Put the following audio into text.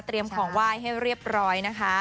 ของไหว้ให้เรียบร้อยนะคะ